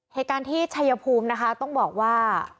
เหตุการณ์ที่ชัยภูมินะคะต้องบอกว่า